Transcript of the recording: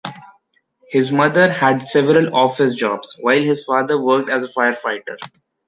His mother had several office jobs, while his father worked as a firefighter.